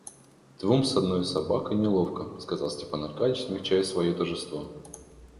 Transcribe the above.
Двум с одною собакой неловко, — сказал Степан Аркадьич, смягчая свое торжество.